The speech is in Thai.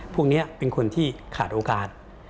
พวกนี้เป็นคนที่ขาดโอกาส